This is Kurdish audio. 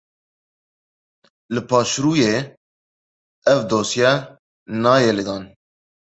Li paşrûyê ev dosye nayê lêdan.